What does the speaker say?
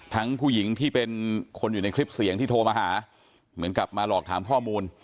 ผู้หญิงที่เป็นคนอยู่ในคลิปเสียงที่โทรมาหาเหมือนกับมาหลอกถามข้อมูล